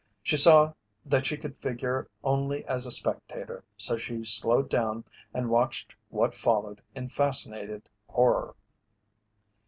She saw that she could figure only as a spectator, so she slowed down and watched what followed in fascinated horror.